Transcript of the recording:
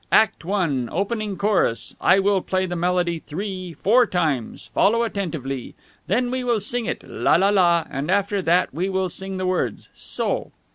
"Act One, Opening Chorus. I will play the melody three four times. Follow attentively. Then we will sing it la la la, and after that we will sing the words. So!"